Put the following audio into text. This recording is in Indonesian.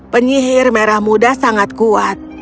penyihir merah muda sangat kuat